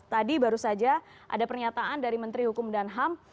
tadi baru saja ada pernyataan dari menteri hukum dan ham